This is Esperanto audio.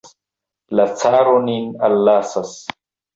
La caro nin allasis.